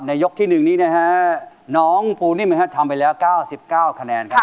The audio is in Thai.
ในยกที่หนึ่งนี้นะฮะน้องปูนิ่มฮะทำไปแล้วเก้าสิบเก้าคะแนนครับ